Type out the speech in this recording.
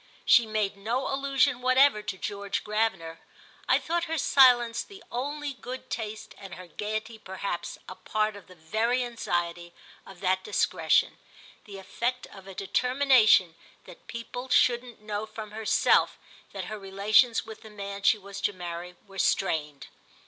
She made no allusion whatever to George Gravener—I thought her silence the only good taste and her gaiety perhaps a part of the very anxiety of that discretion, the effect of a determination that people shouldn't know from herself that her relations with the man she was to marry were strained.